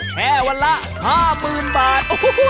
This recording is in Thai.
แค่วันละ๕๐๐๐บาท